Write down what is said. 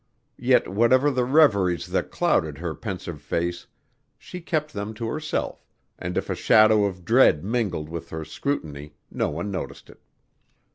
Yet whatever the reveries that clouded her pensive face, she kept them to herself, and if a shadow of dread mingled with her scrutiny no one noticed it.